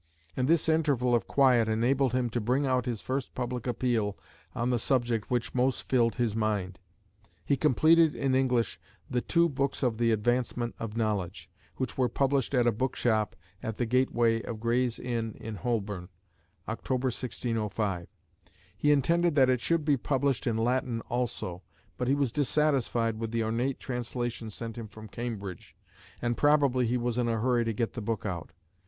And this interval of quiet enabled him to bring out his first public appeal on the subject which most filled his mind. He completed in English the Two Books of the Advancement of Knowledge, which were published at a book shop at the gateway of Gray's Inn in Holborn (Oct., 1605). He intended that it should be published in Latin also; but he was dissatisfied with the ornate translation sent him from Cambridge, and probably he was in a hurry to get the book out.